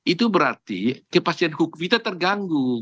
itu berarti kepastian hukum kita terganggu